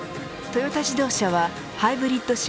トヨタ自動車はハイブリッド車